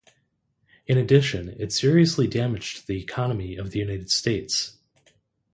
In addition, it seriously damaged the economy of the United States.